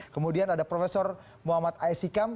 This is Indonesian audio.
kemudian ada profesor muhammad a s hikam